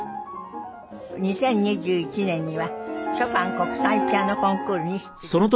２０２１年にはショパン国際ピアノコンクールに出場。